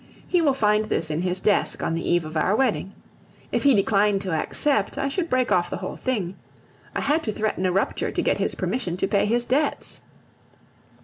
He will find this in his desk on the eve of our wedding. If he declined to accept, I should break off the whole thing. I had to threaten a rupture to get his permission to pay his debts.